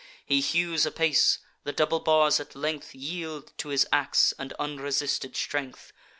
He hews apace; the double bars at length Yield to his ax and unresisted strength.